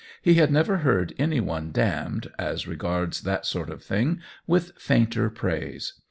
He had never heard any one damned, as regards that sort of thing, with fainter praise.